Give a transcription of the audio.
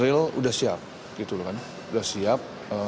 trail udah siap gitu kan udah siap